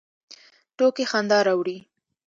ټوکې خندا راوړي